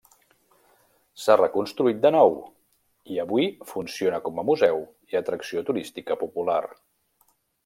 S'ha reconstruït de nou i avui funciona com a museu i atracció turística popular.